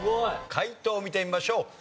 解答見てみましょう。